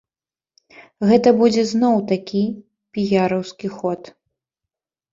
Гэта будзе зноў такі піяраўскі ход.